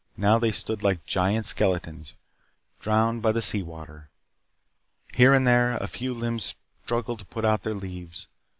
Now they stood like gaunt skeletons, drowned by the sea water. Here and there a few limbs struggled to put out their leaves.